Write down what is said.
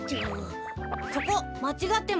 そこまちがってますよ。